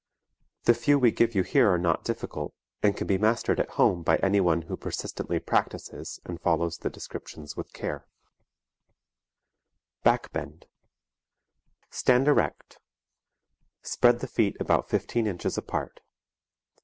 The few we give you here are not difficult, and can be mastered at home by anyone who persistently practices and follows the descriptions with care. [Illustration: ACROBATIC DANCING PRACTICE.] BACK BEND Stand erect. Spread the feet about fifteen inches apart.